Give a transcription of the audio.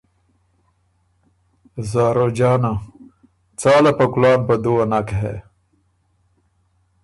زاروجانه: څاله په کُلان په دُوّه نک هې۔